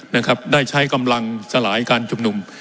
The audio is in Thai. นะครับได้ใช้กำลังสลายการชุมนุม